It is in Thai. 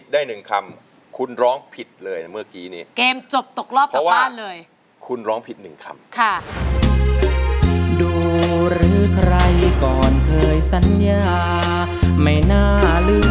ดูหรือใครก่อนเคยสัญญา